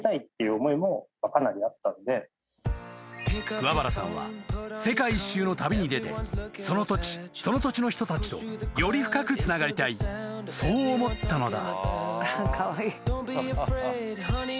［桑原さんは世界一周の旅に出てその土地その土地の人たちとより深くつながりたいそう思ったのだ］